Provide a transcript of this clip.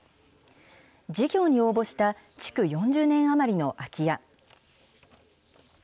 事業に応募した、築４０年余りの空き家。